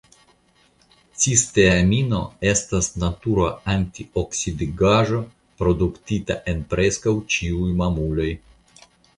Cisteamino estas natura antioksidigaĵo produktita en preskaŭ ĉiuj mamuloj.